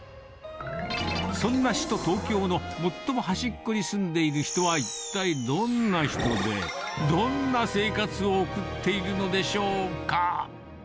そんな首都東京の最も端っこに住んでいる人は一体どんな人で、どんな生活を送っているのでしょうか。